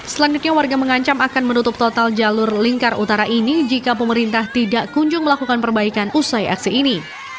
selanjutnya warga mengancam akan menutup total jalur lingkar utara ini jika pemerintah tidak kunjung melakukan perbaikan usai aksi ini